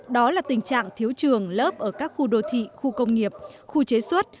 đó là tình trạng thiếu trường lớp ở các khu đô thị khu công nghiệp khu chế xuất